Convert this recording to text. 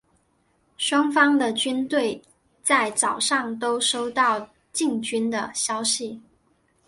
双方的军队在早上都收到进军的消息。